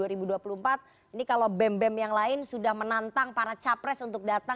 ini kalau bem bem yang lain sudah menantang para capres untuk datang